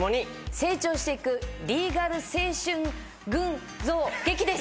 成長していくリーガル青春群像劇です！